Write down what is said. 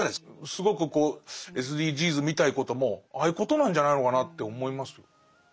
すごくこうＳＤＧｓみたいなこともああいうことなんじゃないのかなって思います。